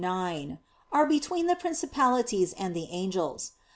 ix), are between the "Principalities" and the "Angels."